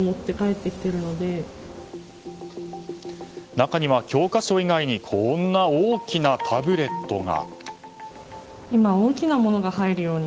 中には教科書以外にこんな大きなタブレットが。